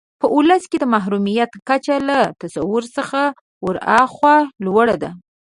په ولس کې د محرومیت کچه له تصور څخه ورهاخوا لوړه ده.